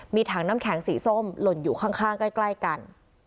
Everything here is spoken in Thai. มีถังน้ำแข็งสีส้มหล่นอยู่ข้างใกล้กัน